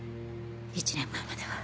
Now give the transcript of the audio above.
１年前までは。